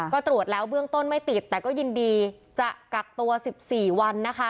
ก็ตรวจแล้วเบื้องต้นไม่ติดแต่ก็ยินดีจะกักตัว๑๔วันนะคะ